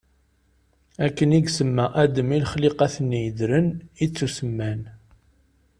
Akken i yesemma Adam i lexliqat-nni yeddren, i ttusemman.